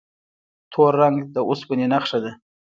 تور رنګ د اوسپنې نښه ده.